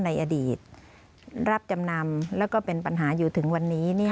ในอดีตรับจำนำแล้วก็เป็นปัญหาอยู่ถึงวันนี้